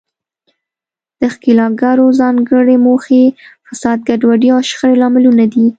د ښکیلاکګرو ځانګړې موخې، فساد، ګډوډي او شخړې لاملونه دي.